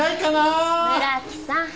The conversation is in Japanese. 村木さん。